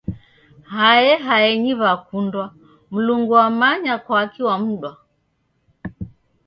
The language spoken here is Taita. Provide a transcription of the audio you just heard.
Hae haenyi w'akundwa, mlungu wamanya kwaki wamudwa